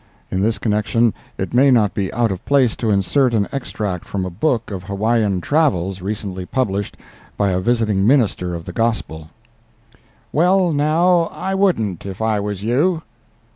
In this connection it may not be out of place to insert an extract from a book of Hawaiian travels recently published by a visiting minister of the gospel: "Well, now, I wouldn't, if I was you."